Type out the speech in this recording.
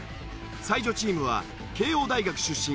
才女チームは慶應大学出身